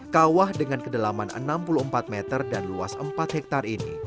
kawah dengan kedalaman enam puluh empat meter dan luas empat hektare ini